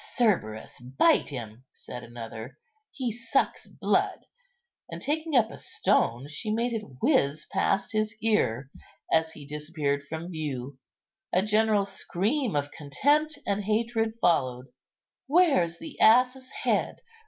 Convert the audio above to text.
"Cerberus, bite him!" said another, "he sucks blood;" and taking up a stone, she made it whiz past his ear as he disappeared from view. A general scream of contempt and hatred followed. "Where's the ass's head?